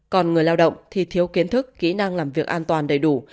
còn người lao động thì thiếu kiến thức kỹ năng làm việc an toàn đầy đủ